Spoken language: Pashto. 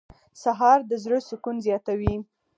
سهار د زړه سکون زیاتوي.